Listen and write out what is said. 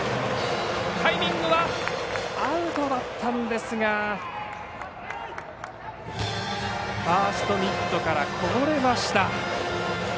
タイミングはアウトだったんですがファーストミットからこぼれました。